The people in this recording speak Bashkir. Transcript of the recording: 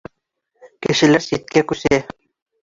Кешеләр ситкә күсә